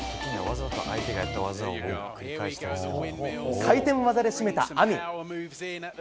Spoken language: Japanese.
回転技で締めた亜実。